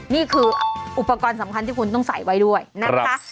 นี่คืออุปกรณ์สำคัญที่คุณต้องใส่ไว้ด้วยนะคะ